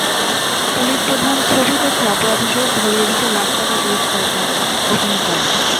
পুলিশপ্রধান ছবি দেখে অপরাধীদের ধরিয়ে দিতে লাখ টাকা পুরস্কার ঘোষণা করেন।